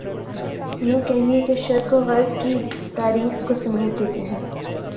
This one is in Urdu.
یوں کہیے کہ شرق و غرب کی تاریخ کو سمیٹ دیتے ہیں۔